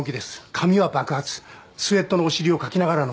髪は爆発スエットのお尻をかきながらの登場